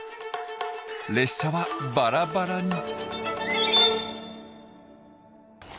列車はバラバラに。